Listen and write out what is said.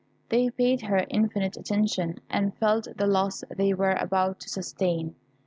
They paid her infinite attention, and felt the loss they were about to sustain.